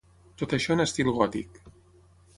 Tot això en estil gòtic.